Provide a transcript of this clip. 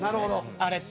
あれって。